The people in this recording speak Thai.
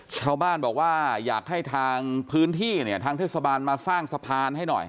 ชาวบ้านบอกว่าอยากให้ทางพื้นที่เนี่ยทางเทศบาลมาสร้างสะพานให้หน่อย